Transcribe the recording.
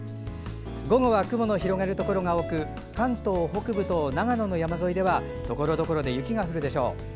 午後は雲の広がるところが多く関東北部と長野の山沿いではところどころで雪が降るでしょう。